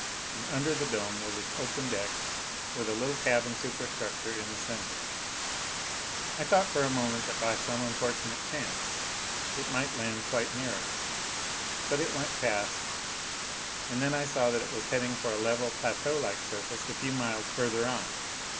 And under the dome was its open deck with a little cabin superstructure in the center. I thought for a moment that by some unfortunate chance it might land quite near us. But it went past. And then I saw that it was heading for a level, plateaulike surface a few miles further on.